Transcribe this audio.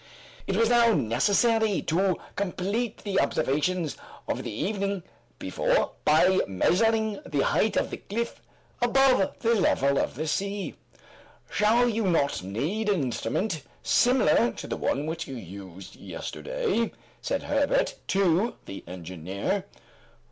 It was now necessary to complete the observations of the evening before by measuring the height of the cliff above the level of the sea. "Shall you not need an instrument similar to the one which you used yesterday?" said Herbert to the engineer.